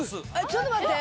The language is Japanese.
ちょっと待って！